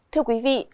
thưa quý vị